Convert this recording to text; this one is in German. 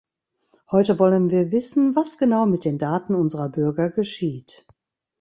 Heute wollen wir wissen, was genau mit den Daten unserer Bürger geschieht.